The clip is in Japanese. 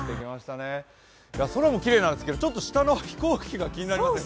空もきれいなんですけど、下の飛行機も気になります。